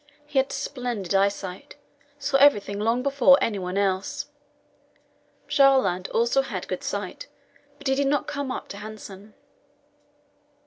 He had splendid eyesight saw everything long before anyone else. Bjaaland also had good sight, but he did not come up to Hanssen.